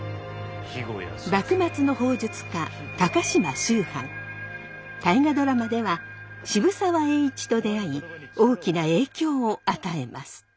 幕末の砲術家「大河ドラマ」では渋沢栄一と出会い大きな影響を与えます。